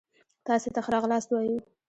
تاسي ته ښه را غلاست وايو